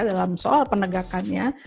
dalam soal penegakannya